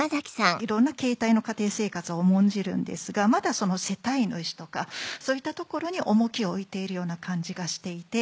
いろんな形態の家庭生活を重んじるんですがまだその世帯主とかそういったところに重きを置いているような感じがしていて。